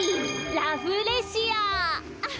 ラフレシア！